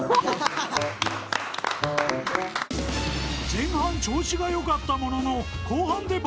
［前半調子が良かったものの後半でバレまくり